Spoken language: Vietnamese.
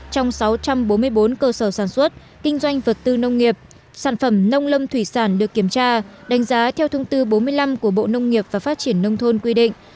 trong sáu trăm bốn mươi bốn cơ sở sản xuất kinh doanh vật tư nông nghiệp sản phẩm nông lâm thủy sản được kiểm tra đánh giá theo thông tư bốn mươi năm của bộ nông nghiệp và phát triển nông thôn quy định